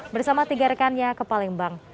bersama tiga rekannya ke palembang